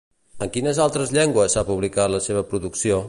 En quines altres llengües s'ha publicat la seva producció?